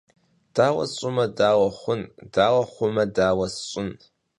Daue sş'ıme daue xhun, daue xhume daue sş'ın?